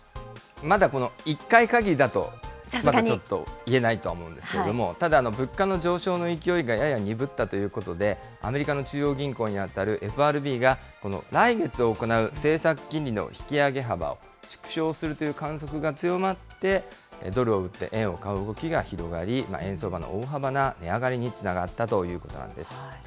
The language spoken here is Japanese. まだこの１回限りだと、まだちょっといえないとは思うんですけれども、ただ、物価の上昇の勢いがやや鈍ったということで、アメリカの中央銀行に当たるＦＲＢが、来月行う政策金利の引き上げ幅を縮小するという観測が強まって、ドルを売って円を買う動きが広がり、円相場の大幅な値上がりにつながったということなんです。